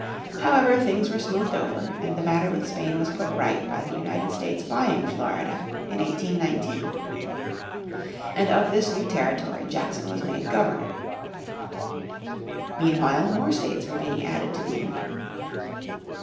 However things were smoothed over, and the matter with Spain was put right by the United States buying Florida in 1819. And of this new territory Jackson was made Governor. Meanwhile more states were being added to the Union.